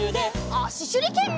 あししゅりけん！